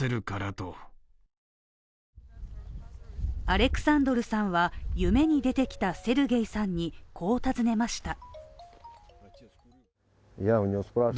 アレクサンドルさんは、夢に出てきたセルゲイさんに、こう尋ねました。